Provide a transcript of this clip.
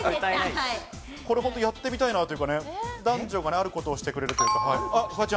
これ本当、やってみたいなっていうか、男女があることをしてくれる。